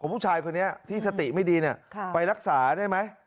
ผู้ชายคนนี้ที่สติไม่ดีไปรักษาได้ไหม